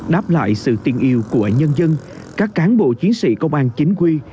đáp lại sự tin yêu của nhân dân các cán bộ chiến sĩ công an chính quy